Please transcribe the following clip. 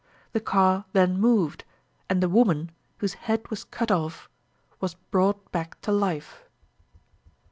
The car then moved, and the woman, whose head was cut off, was brought back to life.